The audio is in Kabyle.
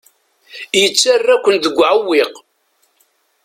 Yettarra-ken deg uɛewwiq.